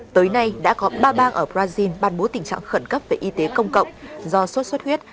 tới nay đã có ba bang ở brazil ban bố tình trạng khẩn cấp về y tế công cộng do sốt xuất huyết